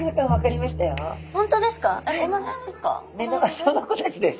その子たちです！